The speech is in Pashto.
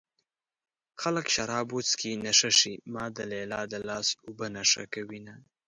خلک شراب وڅښي نشه شي ما د ليلا د لاس اوبه نشه کوينه